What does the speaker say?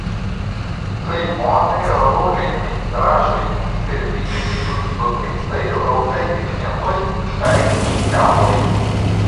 Plej bone rokaj pentraĵoj konserviĝas sub protektaj rokaj tegmentoj kaj en kavoj.